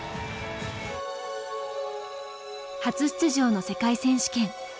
初出場の世界選手権。